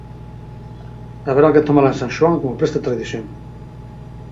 Haberá que tomala en San Xoán como presta a tradición.